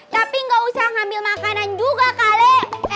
tapi nggak usah ngambil makanan juga kale